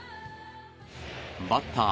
バッター